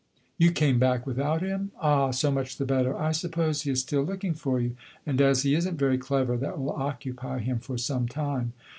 You came back without him? Ah, so much the better; I suppose he is still looking for you, and, as he is n't very clever, that will occupy him for some time.